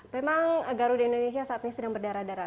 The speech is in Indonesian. memang garuda indonesia saat ini sedang berdarah darah